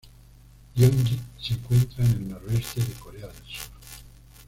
Gyeonggi se encuentra en el noroeste de Corea del Sur.